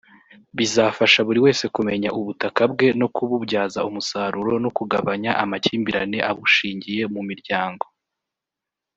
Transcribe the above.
Bizafasha buri wese kumenya ubutaka bwe no kububyaza umusaruro no kugabanya amakimbirane abushingiye mu miryango